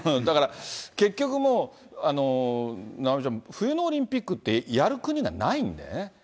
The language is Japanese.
だから、結局もう、直美ちゃん、冬のオリンピックってやる国がないんだよね。